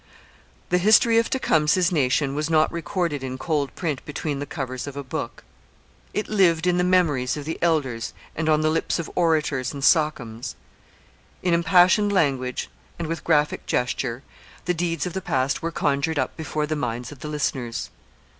The history of Tecumseh's nation was not recorded in cold print between the covers of a book; it lived in the memories of the elders and on the lips of orators and sachems. In impassioned language and with graphic gesture the deeds of the past were conjured up before the minds of the listeners.